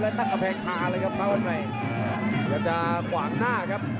แล้วนักกระแพงพาเลยครับเพราะว่าไหนอยากจะขวางหน้าครับ